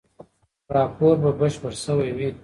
راپور به بشپړ شوی وي.